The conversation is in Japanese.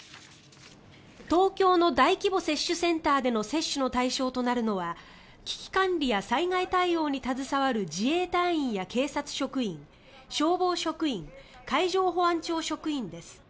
東京の大規模接種センターでの接種の対象となるのは危機管理や災害対応に携わる自衛隊員や警察職員消防職員、海上保安庁職員です。